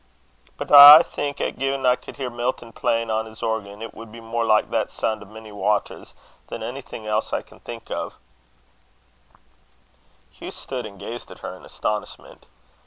But I aye think 'at gin I could hear Milton playin' on's organ, it would be mair like that soun' o' mony waters, than onything else 'at I can think o'." Hugh stood and gazed at her in astonishment.